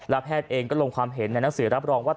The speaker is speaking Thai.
แพทย์เองก็ลงความเห็นในหนังสือรับรองว่า